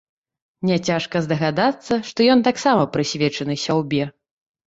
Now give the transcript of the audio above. Няцяжка здагадацца, што ён таксама прысвечаны сяўбе.